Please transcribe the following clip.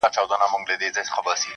هر توري چي یې زما له شوګیری سره ژړله-